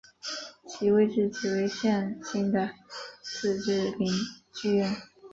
其位置即为现今的自治领剧院。